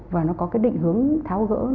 và nó có cái định hướng tháo gỡ